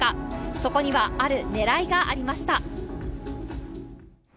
そこには、ある狙いがありました。